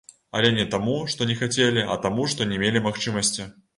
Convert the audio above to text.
Але не таму, што не хацелі, а таму што не мелі магчымасці.